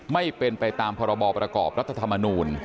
ไม่เป็นไปตามพรบประกอบรัฐธรรมนูล